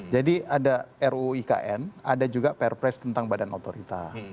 jadi ada ruuikn ada juga perpres tentang badan otorita